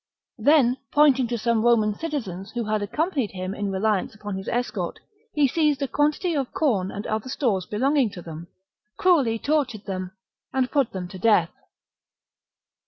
Then, pointing to some Roman citizens who had accompanied him in reliance upon his escort, he seized a quantity of corn and other stores belonging to them, cruelly tortured them, and put them to death.